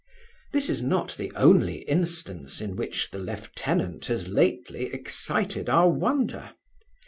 This is not the only instance in which the lieutenant has lately excited our wonder.